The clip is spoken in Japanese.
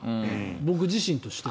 僕自身としても。